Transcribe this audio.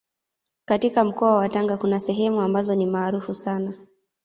Katika mkoa wa Tanga kuna sehemu ambazo ni maarufu sana